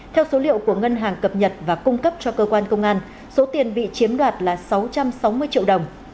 theo số liệu của ngân hàng cập nhật và cung cấp cho cơ quan công an số tiền bị chiếm đoạt là sáu trăm sáu mươi triệu đồng